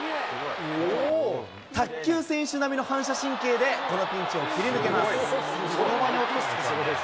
卓球選手並みの反射神経で、このピンチを切り抜けます。